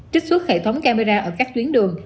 trích xuất hệ thống camera ở các tuyến đường